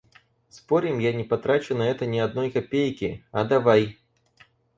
«Спорим, я не потрачу на это ни одной копейки?» — «А давай!»